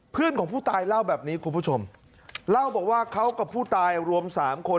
เพื่อนของผู้ตายเล่าแบบนี้คุณผู้ชมเล่าบอกว่าเขากับผู้ตายรวมสามคน